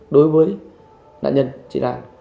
đối với nạn nhân chị lan